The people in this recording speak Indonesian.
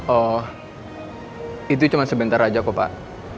oh itu cuma sebentar aja kok pak